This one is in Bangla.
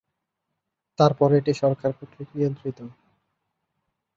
তারপরও এটি সরকার কর্তৃক নিয়ন্ত্রিত।